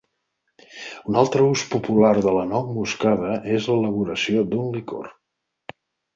Un altre ús popular de la nou moscada és l'elaboració d'un licor.